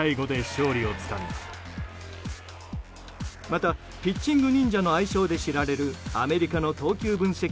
また、ピッチングニンジャの愛称で知られるアメリカの投球分析